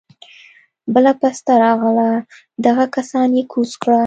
بله پسته راغله دغه کسان يې کوز کړه.